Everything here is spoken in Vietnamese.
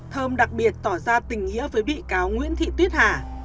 thơm đặc biệt tỏ ra tình nghĩa với bị cáo nguyễn thị tuyết hà